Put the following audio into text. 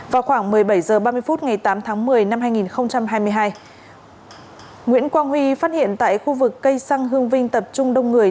vào khoảng một mươi bảy h ba mươi phút ngày tám tháng một mươi năm hai nghìn hai mươi hai nguyễn quang huy phát hiện tại khu vực cây xăng hương vinh tập trung đông người